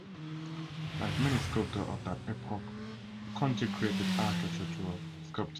Like many sculptor of that epoch Konti created architectural sculpture.